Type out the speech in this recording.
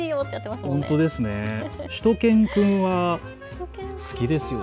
しゅと犬くんは好きですよね。